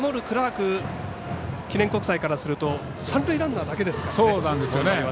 クラーク記念国際からすると三塁ランナーだけですからね。